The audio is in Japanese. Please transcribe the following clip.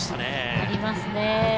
ありますね。